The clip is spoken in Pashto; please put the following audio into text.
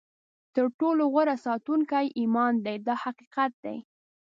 تر ټولو غوره ساتونکی ایمان دی دا حقیقت دی.